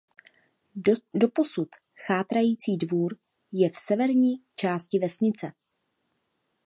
Doposud chátrající dvůr je v severní části vesnice.